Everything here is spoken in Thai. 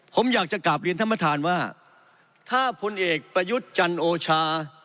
ผมอยากจะกลับเรียนท่านประธานว่าถ้าพลเอกประยุทธ์จันโอชา